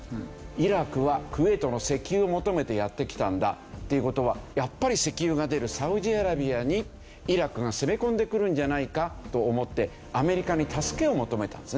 イラクはクウェートの石油を求めてやって来たんだっていう事はやっぱり石油が出るサウジアラビアにイラクが攻め込んでくるんじゃないかと思ってアメリカに助けを求めたんですね。